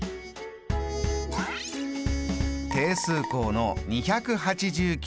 定数項の２８９に注目！